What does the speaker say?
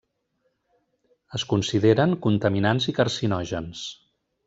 Es consideren contaminants i carcinògens.